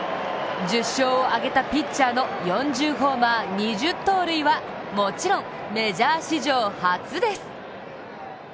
１０勝を挙げたピッチャーの４０ホーマー２０盗塁はもちろんメジャー史上初です。